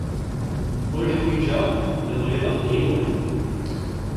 ur ḥwiǧeɣ lemɣiḍat n yiwen.